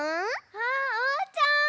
あおうちゃん！